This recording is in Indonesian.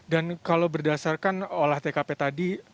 dan kalau berdasarkan olah tkp tadi